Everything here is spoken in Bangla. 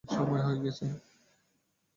সময় হয়ে গেছে।